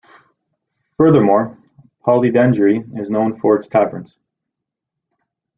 Furthermore, Polydendri is known for its taverns.